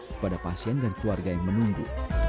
kepada pasien dan keluarga yang menunggu